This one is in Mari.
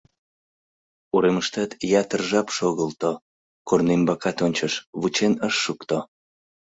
Уремыштат ятыр жап шогылто, корнӱмбакат ончыш — вучен ыш шукто.